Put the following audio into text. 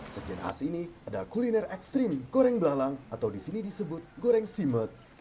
sajian khas ini adalah kuliner ekstrim goreng belalang atau di sini disebut goreng simet